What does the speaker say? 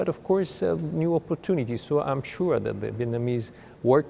để có nhiều lợi ích từ evfda không